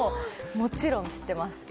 もちろん知ってます。